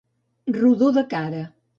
Rodó de cara.